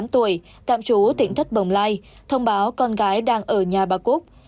tám mươi tám tuổi tạm trú tỉnh thất bồng lai thông báo con gái đang ở nhà bà cúc